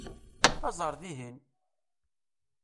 Aẓ ar dihin!